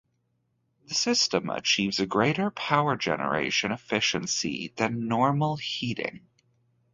The system achieves a greater power-generation efficiency than normal heating.